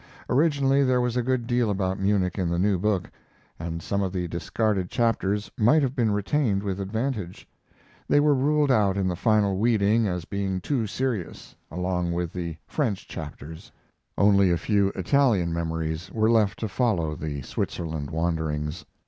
Originally there was a good deal about Munich in the new book, and some of the discarded chapters might have been retained with advantage. They were ruled out in the final weeding as being too serious, along with the French chapters. Only a few Italian memories were left to follow the Switzerland wanderings.